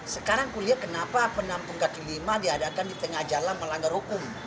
sekarang kuliah kenapa penampung kaki lima diadakan di tengah jalan melanggar hukum